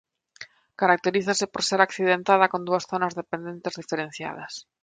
Caracterízase por ser accidentada con dúas zonas de pendentes diferenciadas.